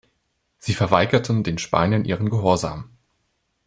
Sie verweigerten den Spaniern ihren Gehorsam.